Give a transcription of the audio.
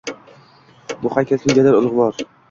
Bu haykal kimgadir ulugʼvor